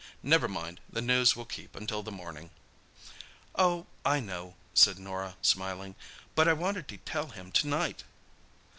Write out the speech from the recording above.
"Never mind—the news will keep until the morning." "Oh, I know," said Norah, smiling. "But I wanted to tell him to night."